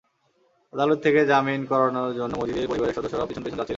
আদালত থেকে জামিন করানোর জন্য মজিদের পরিবারের সদস্যরাও পেছন পেছন যাচ্ছিলেন।